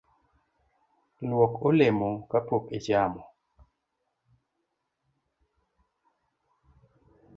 Luok olemo kapok ichamo